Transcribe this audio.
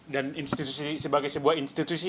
dan institusi sebagai sebuah institusi